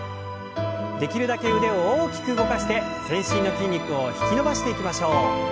できるだけ腕を大きく動かして全身の筋肉を引き伸ばしていきましょう。